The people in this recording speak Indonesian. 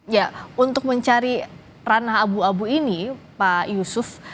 ya untuk mencari ranah abu abu ini pak yusuf